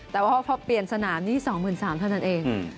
แต่ว่าพอเปลี่ยนสนามนี่๒๓๐๐เท่านั้นเอง